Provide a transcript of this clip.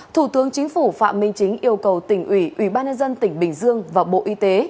thủ tướng chính phủ phạm minh chính yêu cầu tỉnh ủy ủy ban nhân dân tỉnh bình dương và bộ y tế